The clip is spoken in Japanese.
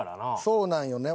そうなんよね。